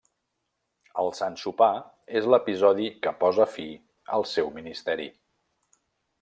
El Sant Sopar és l'episodi que posa fi al seu ministeri.